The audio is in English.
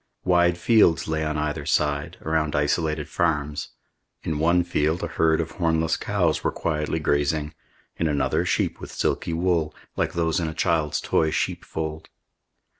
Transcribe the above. Wide fields lay on either side, around isolated farms. In one field a herd of hornless cows were quietly grazing; in another sheep with silky wool, like those in a child's toy sheep fold.